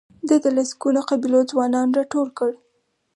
ده د لسګونو قبیلو ځوانان راټول کړل.